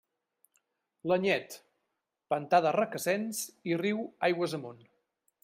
L'Anyet: pantà de Requesens i riu aigües amunt.